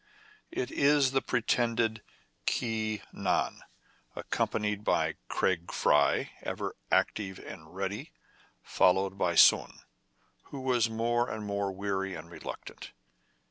It is the pretended Ki Nan, accompanied by Fry Craig, ever active and ready, followed by Soun, who was more and more weary and reluc tant.